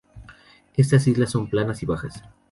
Estas islas son planas y bajas.